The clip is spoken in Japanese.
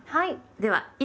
はい。